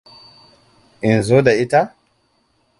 In zo da ita?